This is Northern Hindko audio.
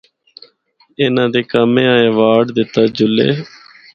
انہاں دے کمے آں ایوارڈ دتا جلے۔